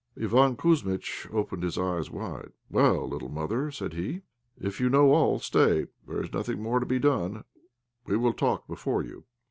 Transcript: Iván Kouzmitch opened his eyes wide. "Well, little mother," said he, "if you know all, stay; there is nothing more to be done, we will talk before you."